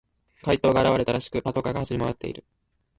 怪盗が現れたらしく、パトカーが走り回っている。